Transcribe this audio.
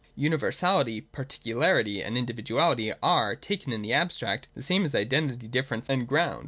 Universality, particularity, and individuality are, taken in the abstract, the same as identity, difference, and ground.